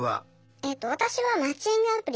えと私はマッチングアプリ